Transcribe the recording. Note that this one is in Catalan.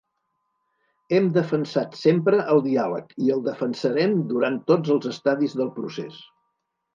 Hem defensat sempre el diàleg i el defensarem durant tots els estadis del procés.